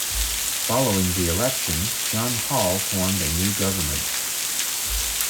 Following the election, John Hall formed a new government.